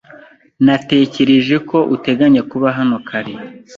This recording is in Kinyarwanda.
Natekereje ko uteganya kuba hano kare.